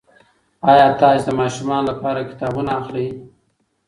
ایا تاسي د ماشومانو لپاره کتابونه اخلئ؟